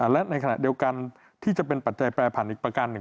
และในขณะเดียวกันที่จะเป็นปัจจัยแปรผันอีกประการหนึ่ง